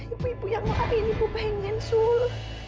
ibu ibu yang lain ibu pengen sul